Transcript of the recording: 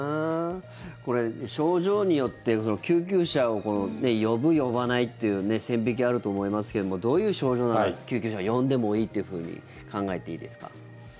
これ、症状によって救急車を呼ぶ呼ばないっていう線引きがあると思いますけどもどういう症状なら救急車を呼んでもいいというふうに考えていいですか。